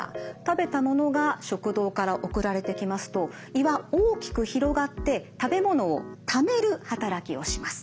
食べたものが食道から送られてきますと胃は大きく広がって食べ物をためる働きをします。